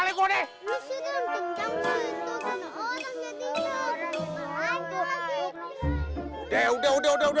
lo udah ngajarmana